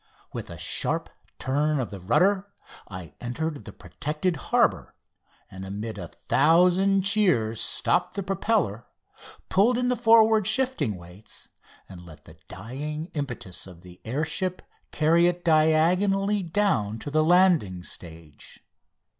With a sharp turn of the rudder I entered the protected harbour, and amid a thousand cheers stopped the propeller, pulled in the forward shifting weight, and let the dying impetus of the air ship carry it diagonally down to the landing stage.